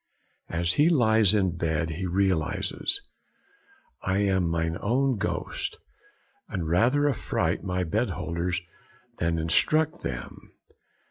As he lies in bed, he realises 'I am mine own ghost, and rather affright my beholders than instruct them.